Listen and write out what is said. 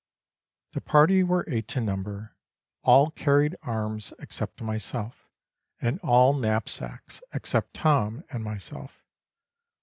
The party were eight in number ; all carried arms except myself, and all knapsacks except Tom and myself.